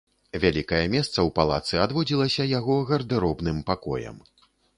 Вялікае месца ў палацы адводзілася яго гардэробным пакоям.